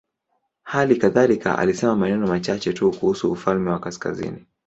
Hali kadhalika alisema maneno machache tu kuhusu ufalme wa kaskazini.